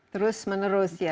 terus menerus ya